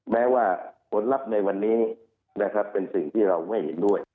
แม้ว่าผลลัพธ์ในวันนี้นะครับเป็นสิ่งที่เราไม่เห็นด้วย